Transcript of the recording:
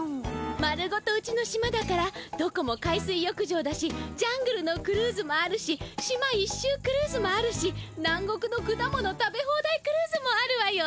丸ごとうちの島だからどこも海水よく場だしジャングルのクルーズもあるし島一しゅうクルーズもあるし南国のくだ物食べ放題クルーズもあるわよ。